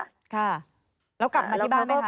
ค่ะแล้วกลับมาที่บ้านไหมคะ